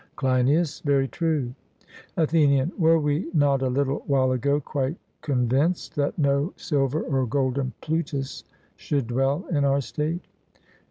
CLEINIAS: Very true. ATHENIAN: Were we not a little while ago quite convinced that no silver or golden Plutus should dwell in our state?